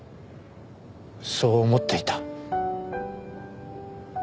そう思っていた。